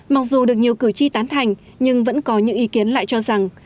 mặc dù được nhiều cử tri tán thành nhưng vẫn có những ý kiến lại cho rằng